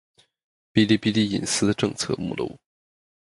《哔哩哔哩隐私政策》目录